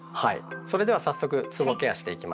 それでは早速つぼケアしていきましょう。